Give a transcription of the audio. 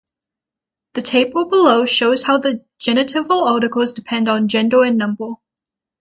The table below shows how the genitival articles depend on gender and number.